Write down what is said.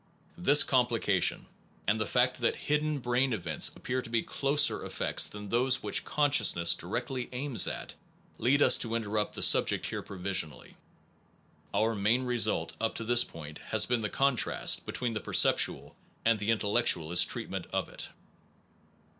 This complication, and the fact that hidden 218 NOVELTY AND CAUSATION brain events appear to be closer effects than those which consciousness directly aims at, lead us to interrupt the subject here provisionally. Our main result, up to this point, has been the contrast between the perceptual and the intel lectualist treatment of it.